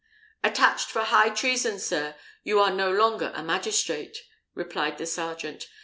"Attached for high treason, sir, you are no longer a magistrate," replied the sergeant.